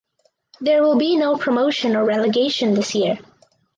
There will be no promotion or relegation this year.